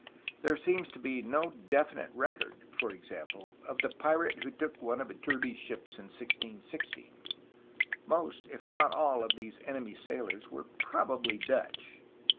There seems to be no definite record, for example, of the pirate who took one of Iturbe's ships in 1616. Most, if not all, of these enemy sailors were probably Dutch.